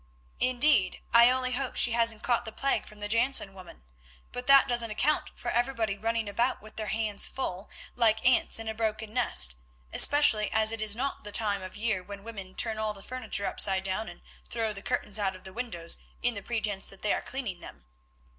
"Indeed; I only hope she hasn't caught the plague from the Jansen woman; but that doesn't account for everybody running about with their hands full, like ants in a broken nest, especially as it is not the time of year when women turn all the furniture upside down and throw the curtains out of the windows in the pretence that they are cleaning them.